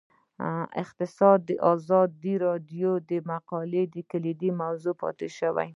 اقتصاد د ازادي راډیو د مقالو کلیدي موضوع پاتې شوی.